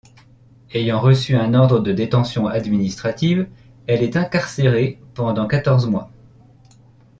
Ayant reçu un ordre de détention administrative, elle est incarcérée pendant quatorze mois.